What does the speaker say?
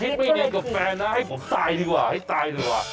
ให้ผมคิดไม่เนียนกับแฟนนะให้ผมตายดีกว่าให้ตายดีกว่า